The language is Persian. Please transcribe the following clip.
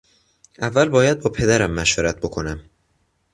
اول باید با پدرم مشورت بکنم.